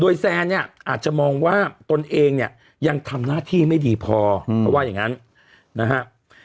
แซนเนี่ยอาจจะมองว่าตนเองเนี่ยยังทำหน้าที่ไม่ดีพอเขาว่าอย่างนั้นนะฮะ